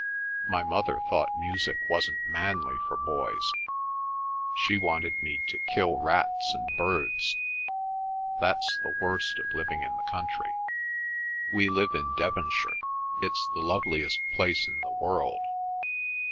My mother thought music wasn't manly for boys; she wanted me to kill rats and birds—that's the worst of living in the country. We live in Devonshire. It's the loveliest place in the world.